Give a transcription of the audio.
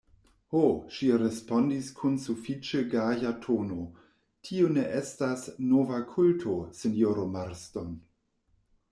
Ho, ŝi respondis kun sufiĉe gaja tono, tio ne estas nova kulto, sinjoro Marston.